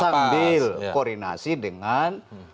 sambil koordinasi dengan